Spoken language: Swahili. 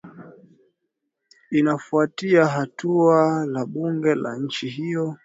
inafuatia hatua la bunge la nchi hiyo